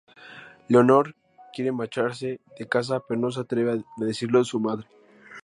Leonor quiere marcharse de casa, pero no se atreve a decírselo a su madre.